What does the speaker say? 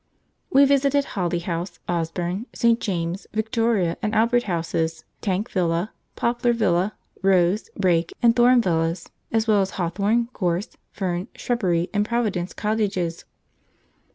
We visited Holly House, Osborne, St. James, Victoria, and Albert houses, Tank Villa, Poplar Villa, Rose, Brake, and Thorn Villas, as well as Hawthorn, Gorse, Fern, Shrubbery, and Providence Cottages.